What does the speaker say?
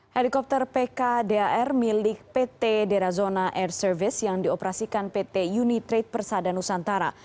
helikopter pkdar milik pt derazona air service yang dioperasikan pt unitrade persadanusantara